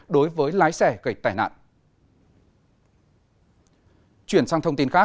đối với lái xe gây tai nạn